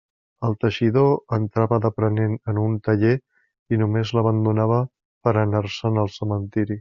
El teixidor entrava d'aprenent en un taller, i només l'abandonava per a anar-se'n al cementeri.